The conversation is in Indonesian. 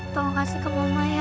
tolong kasih ke mama ya